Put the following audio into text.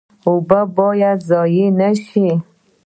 اوبه باید ضایع نشي